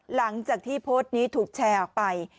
หลังจากที่โพสต์นี้ถูกแชร์ออกไป